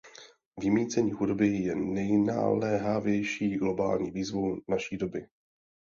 Vymýcení chudoby je nejnaléhavější globální výzvou naší doby.